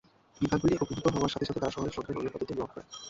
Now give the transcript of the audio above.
বিভাগগুলি একীভূত হওয়ার সাথে সাথে তারা শহরের সংখ্যা গণনা পদ্ধতি গ্রহণ করে।